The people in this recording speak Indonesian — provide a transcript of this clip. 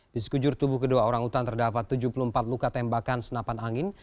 di sekujur tubuh kedua orang utan terdapat tujuh puluh empat luka tembakan senapan angin